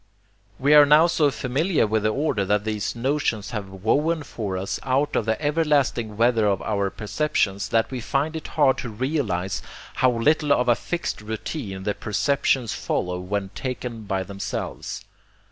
We are now so familiar with the order that these notions have woven for us out of the everlasting weather of our perceptions that we find it hard to realize how little of a fixed routine the perceptions follow when taken by themselves.